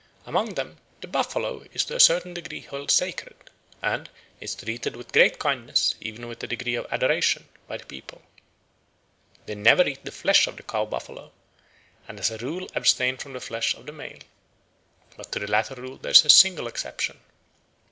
Amongst them "the buffalo is to a certain degree held sacred" and "is treated with great kindness, even with a degree of adoration, by the people." They never eat the flesh of the cow buffalo, and as a rule abstain from the flesh of the male. But to the latter rule there is a single exception.